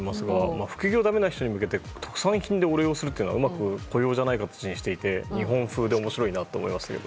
副業がダメな人に向けて特産品でお礼するというのはうまく雇用じゃない形にしていて日本風で面白いなと思いました。